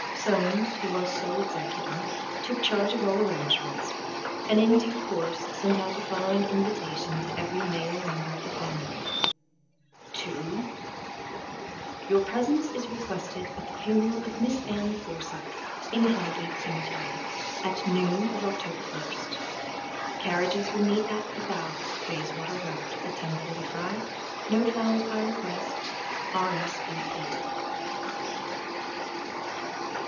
Soames, who was sole executor, took charge of all arrangements, and in due course sent out the following invitation to every male member of the family: _"To—— "Your presence is requested at the funeral of Miss Ann Forsyte, in Highgate Cemetery, at noon of Oct. 1st. Carriages will meet at 'The Bower,' Bayswater Road, at 10.45. No flowers by request. "R.S.V.P."